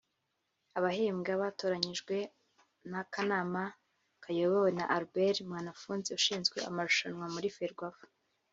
Abahembwa batoranyijwe n’akanama kayobowe na Albert Mwanafunzi ushinzwe amarushanwa muri Ferwafa